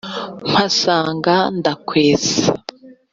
Mpasanga Ndakwesa.